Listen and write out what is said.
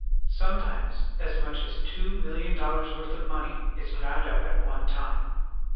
Sometimes as much as two million dol lars' worth of money is ground up at one time.